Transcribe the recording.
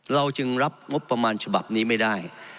เราจึงรับงบประมาณฉบับนี้ไม่ได้